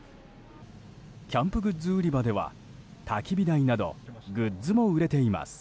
キャンプグッズ売り場ではたき火台などグッズも売れています。